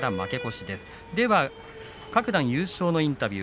各段優勝のインタビュー